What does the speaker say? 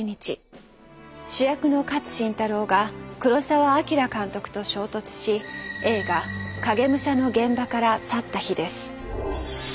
主役の勝新太郎が黒澤明監督と衝突し映画「影武者」の現場から去った日です。